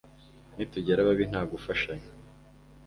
ni tugera babi ntagufashanya